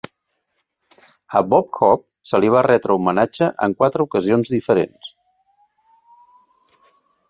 A Bob Hope se li va retre homenatge en quatre ocasions diferents.